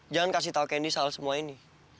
jangan kasih tau candy soal semua ini